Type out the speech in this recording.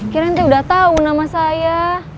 kirain teh udah tau nama saya